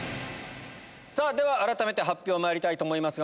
では改めて発表まいりたいと思います。